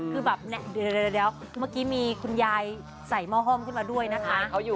คือแบบเดี๋ยวเมื่อกี้มีคุณยายใส่หม้อห้อมขึ้นมาด้วยนะคะ